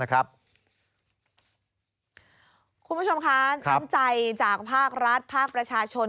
คุณผู้ชมคะน้ำใจจากภาครัฐภาคประชาชน